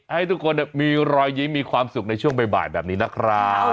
ให้ทุกคนมีรอยยิ้มมีความสุขในช่วงบ่ายแบบนี้นะครับ